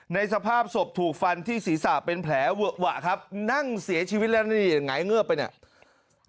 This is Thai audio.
สภาพศพถูกฟันที่ศีรษะเป็นแผลเวอะหวะครับนั่งเสียชีวิตแล้วนี่หงายเงือบไปเนี่ย